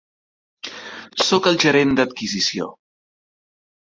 Sóc el gerent d'adquisició.